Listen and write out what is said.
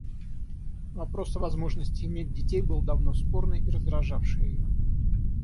Вопрос о возможности иметь детей был давно спорный и раздражавший ее.